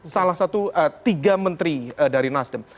salah satu tiga menteri dari nasdem